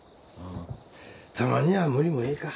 たまには無理もええか。